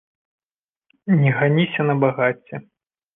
Не ганіся на багацце.